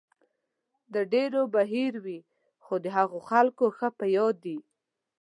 د ډېرو به هېر وي، خو د هغو خلکو ښه په یاد دی.